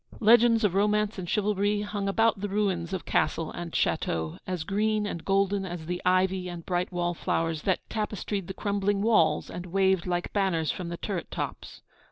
Legends of romance and chivalry hung about the ruins of castle and château, as green and golden as the ivy and bright wall flowers that tapestried the crumbling walls, and waved like banners from the turret tops.